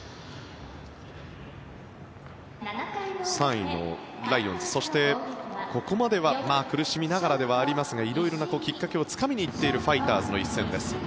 ３位のライオンズそして、ここまでは苦しみながらではありますが色々なきっかけをつかみに行っているファイターズの一戦です。